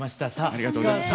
ありがとうございます。